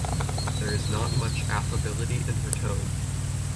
There is not much affability in her tone.